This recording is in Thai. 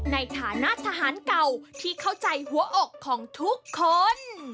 ในฐานะทหารเก่าที่เข้าใจหัวอกของทุกคน